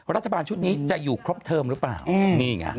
รัฐบาลชุดนี้จะอยู่ครบเทิมหรือเปล่านี่ไง